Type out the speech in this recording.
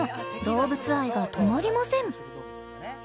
動物愛が止まりません］